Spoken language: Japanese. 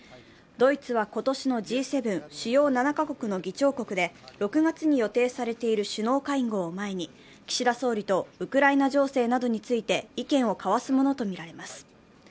ドイツは今年のＧ７＝主要７か国の議長国で６月に予定されている首脳会合を前に岸田総理とウクライナ情勢などについて意見を交わすものとみられます。